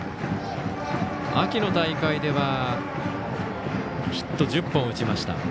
秋の大会ではヒット１０本打ちました。